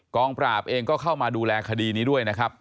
งปราบเองก็เข้ามาดูแลคดีนี้ด้วยนะครับ